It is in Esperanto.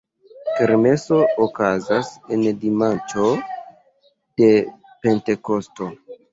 Kermeso okazas en dimanĉo de Pentekosto.